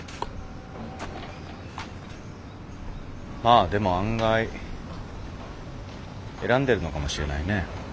まあでも案外選んでるのかもしれないね。